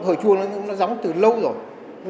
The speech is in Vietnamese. hồi chuông nó rắn từ lâu rồi